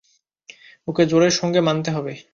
ওকে জোরের সঙ্গে মানতে হবে।